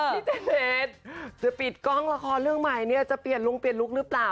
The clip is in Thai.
พิเศษจะปิดกล้องละครเรื่องใหม่เนี่ยจะเปลี่ยนลุงเปลี่ยนลุคหรือเปล่า